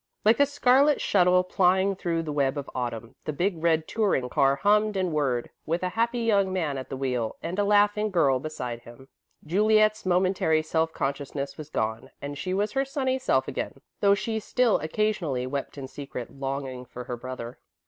Like a scarlet shuttle plying through the web of Autumn, the big red touring car hummed and whirred, with a happy young man at the wheel and a laughing girl beside him. Juliet's momentary self consciousness was gone, and she was her sunny self again, though she still occasionally wept in secret, longing for her brother.